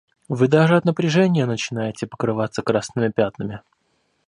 Вы даже от напряжения начинаете покрываться красными пятнами.